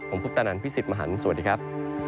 ผมพุทธนันพี่สิทธิ์มหันฯสวัสดีครับ